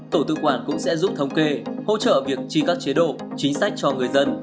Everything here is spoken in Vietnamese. tổ tự quản cũng sẽ giúp thống kê hỗ trợ việc chi các chế độ chính sách cho người dân